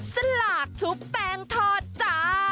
สลากชุบแป้งทอดจ้า